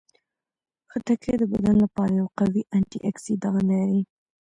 خټکی د بدن لپاره یو قوي انټياکسیدان لري.